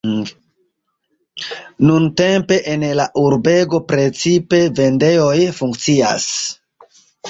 Nuntempe en la urbego precipe vendejoj funkcias.